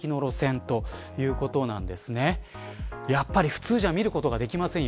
普通じゃ見ることができません。